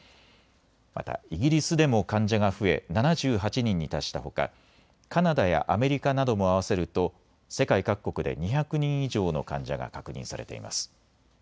またイギリスでも患者が増え７８人に達したほかカナダやアメリカなども合わせると世界各国で２００人以上の患者が確認されています。